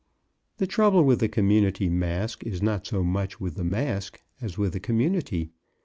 The trouble with the community masque is not so much with the masque as with the community.